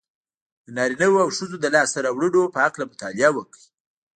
د نارينهوو او ښځو د لاسته راوړنو په هکله مطالعه وکړئ.